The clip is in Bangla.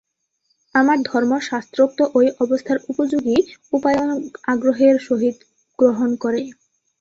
আর ধর্মশাস্ত্রোক্ত ঐ অবস্থার উপযোগী উপায়ও আগ্রহের সহিত গ্রহণ করে।